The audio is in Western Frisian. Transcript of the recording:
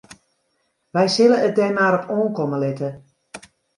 Wy sille it der mar op oankomme litte.